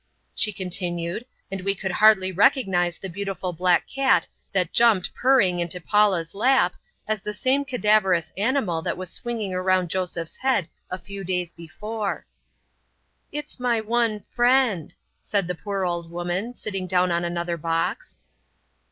she continued, and we could hardly recognize the beautiful black cat that jumped purring into Paula's lap, as the same cadaverous animal that was swinging around Joseph's head a few days before. "It's my one friend," said the poor old woman, sitting down on another box.